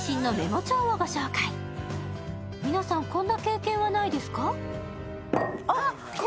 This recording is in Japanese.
皆さん、こんな経験はないですか？